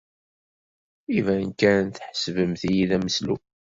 Iban kan tḥesbemt-iyi d ameslub.